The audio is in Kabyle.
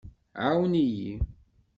Ɛawen-iyi!